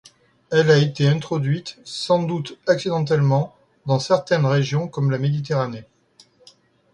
Elle a été introduite, sans doute accidentellement, dans certaines régions comme la Méditerranée.